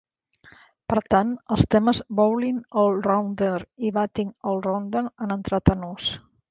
Per tant, els termes "bowling all-rounder" i "batting all-rounder" han entrat en ús.